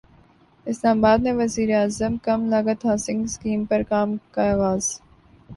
اسلام اباد میں وزیراعظم کم لاگت ہاسنگ اسکیم پر کام کا اغاز